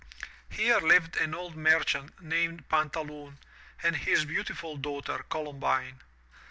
Here lived an old merchant named Pantaloon and his beautiful daughter. Columbine.